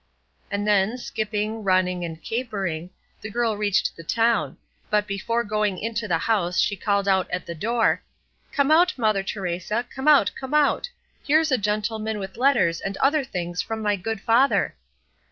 And then, skipping, running, and capering, the girl reached the town, but before going into the house she called out at the door, "Come out, mother Teresa, come out, come out; here's a gentleman with letters and other things from my good father."